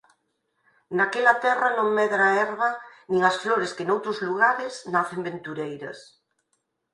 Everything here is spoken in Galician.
Naquela terra non medra a herba nin as flores que noutros lugares nacen ventureiras.